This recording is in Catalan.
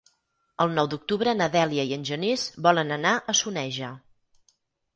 El nou d'octubre na Dèlia i en Genís volen anar a Soneja.